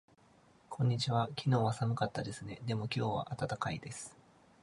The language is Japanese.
こんにちは。昨日は寒かったですね。でも今日は暖かいです。